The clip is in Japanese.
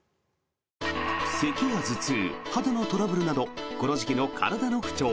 せきや頭痛、肌のトラブルなどこの時期の体の不調。